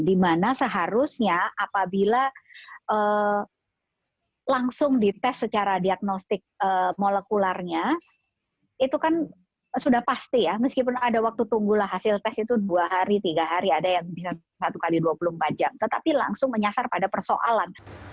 dimana seharusnya apabila langsung dites secara diagnostik molekulernya itu kan sudah pasti ya meskipun ada waktu tunggulah hasil tes itu dua hari tiga hari ada yang bisa satu x dua puluh empat jam tetapi langsung menyasar pada persoalan